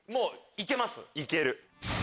いける。